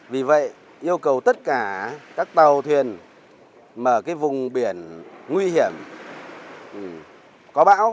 vì vậy yêu cầu tất cả các tàu thuyền mở cái vùng biển nguy hiểm có bão